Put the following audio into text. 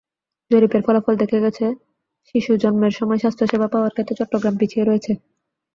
জরিপের ফলাফলে দেখা গেছে, শিশু জন্মের সময় স্বাস্থ্যসেবা পাওয়ার ক্ষেত্রে চট্টগ্রাম পিছিয়ে রয়েছে।